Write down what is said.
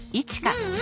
うん。